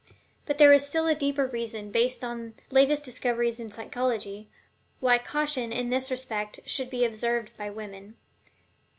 But there is still a deeper reason, based upon the latest discoveries in psychology, why caution in this respect should be observed by women.